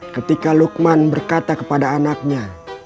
ketika lukman berkata kepada anaknya